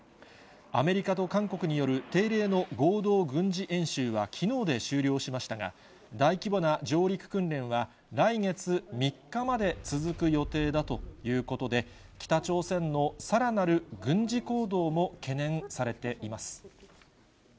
アメリカと韓国による定例の合同軍事演習はきのうで終了しましたが、大規模な上陸訓練は来月３日まで続く予定だということで、北朝鮮のさらなる軍事行動も懸念されています。